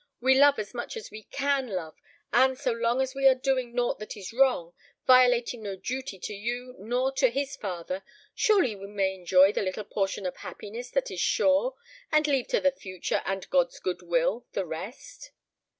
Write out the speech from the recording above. We love as much as we can love, and so long as we are doing nought that is wrong, violating no duty to you, nor to his father, surely we may enjoy the little portion of happiness that is sure, and leave to the future and God's good will the rest."